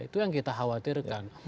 itu yang kita khawatirkan